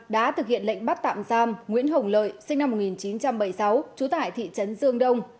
đã thực hiện lệnh bắt tạm giam nguyễn hồng lợi sinh năm một nghìn chín trăm bảy mươi sáu trú tại thị trấn dương đông